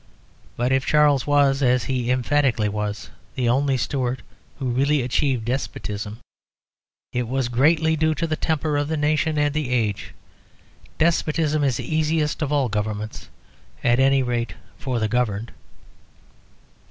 But if Charles was, as he emphatically was, the only Stuart who really achieved despotism, it was greatly due to the temper of the nation and the age. Despotism is the easiest of all governments, at any rate for the governed.